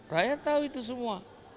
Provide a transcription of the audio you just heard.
rakyat tahu itu semua